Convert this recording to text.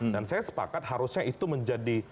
dan saya sepakat harusnya itu menjadi